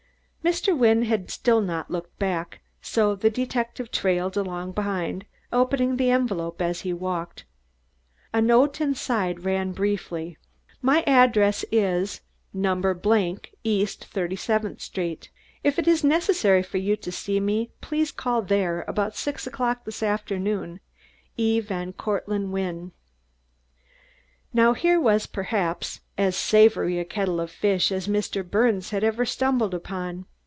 Mr. Wynne had still not looked back, so the detective trailed along behind, opening the envelope as he walked. A note inside ran briefly: My address is No. East Thirty seventh Street. If it is necessary for you to see me please call there about six o'clock this afternoon. E. VAN CORTLANDT WYNNE Now here was, perhaps, as savory a kettle of fish as Mr. Birnes had ever stumbled upon.